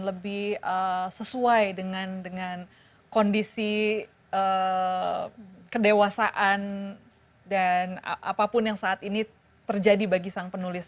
lebih sesuai dengan kondisi kedewasaan dan apapun yang saat ini terjadi bagi sang penulis